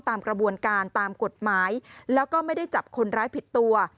ตามกระบวนการตามกฎหมายแล้วก็ไม่ได้จับคนร้ายผิดตัว